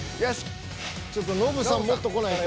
ちょっとノブさんもっとこないと。